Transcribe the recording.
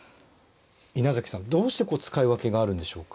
稲さんどうしてこう使い分けがあるんでしょうか？